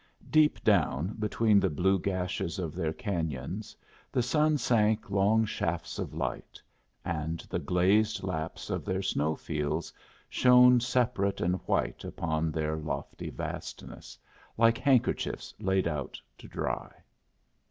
Deep down between the blue gashes of their canons the sun sank long shafts of light, and the glazed laps of their snow fields shone separate and white upon their lofty vastness, like handkerchiefs laid out to dry.